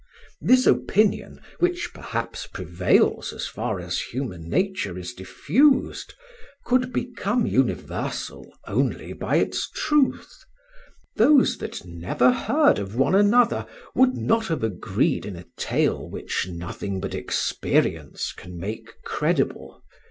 This opinion, which perhaps prevails as far as human nature is diffused, could become universal only by its truth: those that never heard of one another would not have agreed in a tale which nothing but experience can make credible.